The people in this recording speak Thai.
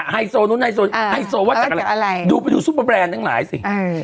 ไฮโซวัดจากทั้งหลายสิ